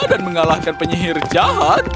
dan mengalahkan penyihir jahat